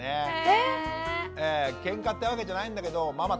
えっ⁉ケンカってわけじゃないんだけどママ